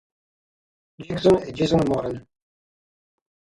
Jackson e Jason Moran.